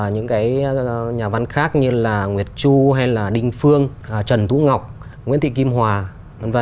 những cái nhà văn khác như là nguyệt chu hay là đinh phương trần tú ngọc nguyễn thị kim hòa v v